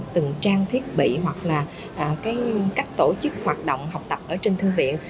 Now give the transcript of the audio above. từng trang thiết bị hoặc là cách tổ chức hoạt động học tập ở trên thư viện